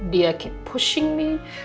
dia keep pushing me